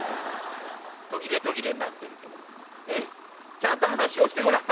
ちゃんと話をしてごらん」。